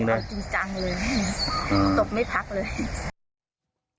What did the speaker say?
เอาจริงจังเลยตกไม่พักเลย